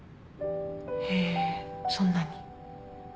へえそんなに。